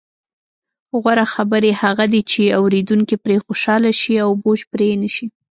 غوره خبرې هغه دي، چې اوریدونکي پرې خوشحاله شي او بوج پرې نه شي.